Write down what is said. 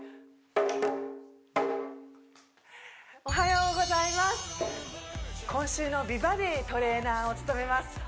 おはようございます